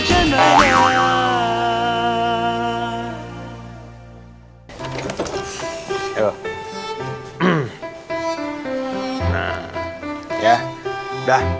eh enggak ada apa apa